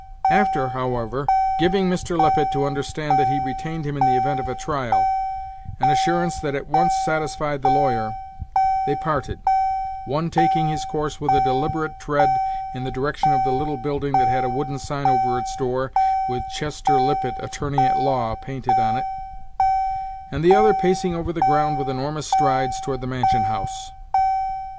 After, however, giving Mr. Lippet to under stand that he retained him in the event of a trial, an assurance that at once satisfied the lawyer, they parted, one taking his course with a deliberate tread in the direction of the little building that had a wooden sign over its door, with "Chester Lippet, Attorney at law," painted on it; and the other pacing over the ground with enormous strides toward the mansion house.